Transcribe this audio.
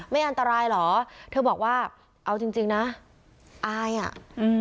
ไม่อันตรายเหรอเธอบอกว่าเอาจริงจริงนะอายอ่ะอืม